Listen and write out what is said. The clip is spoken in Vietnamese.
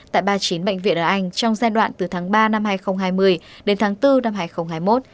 tại ba mươi chín bệnh viện ở anh trong giai đoạn từ tháng ba năm hai nghìn hai mươi đến tháng bốn năm hai nghìn hai mươi một